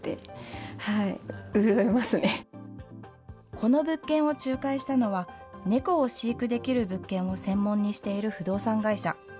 この物件を仲介したのは、猫を飼育できる物件を専門にしている不動産会社。